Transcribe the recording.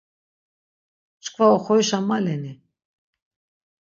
Çkva oxorişa maleni?